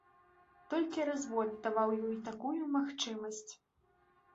Толькі развод даваў ёй такую магчымасць.